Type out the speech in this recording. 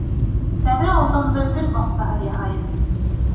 Тәҙрә ал-дымды гөл баҡсаһы яһайым!